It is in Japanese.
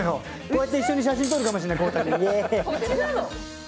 こうやって一緒に写真撮るかもしれないイエーイ